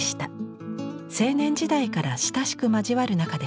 青年時代から親しく交わる仲でした。